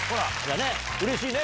うれしいね？